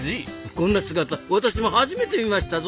こんな姿私も初めて見ましたぞ。